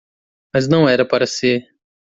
Mas não era para ser.